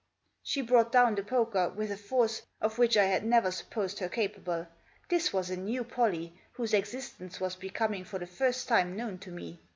She brought down the poker with a force of which I had never supposed her capable ; this was a new Pollie, whose existence was becoming for the first time known to me.